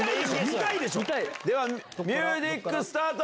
ミュージックスタート！